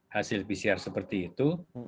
hasil pcr seperti itu